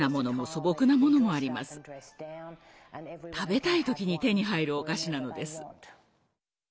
食べたい時に手に入るお菓子なのです。